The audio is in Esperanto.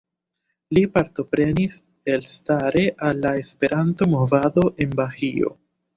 Li partoprenis elstare al la Esperanto-movado en Bahio.